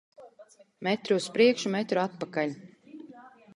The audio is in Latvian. Metru uz priekšu, metru atpakaļ.